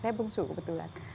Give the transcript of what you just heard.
saya bungsu kebetulan